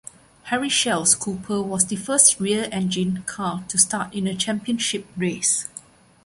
Harry Schell's Cooper was the first rear-engined car to start in a championship race.